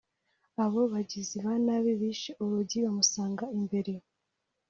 Abo bagizi ba nabi bishe urugi bamusanga imbere